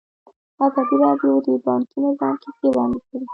ازادي راډیو د بانکي نظام کیسې وړاندې کړي.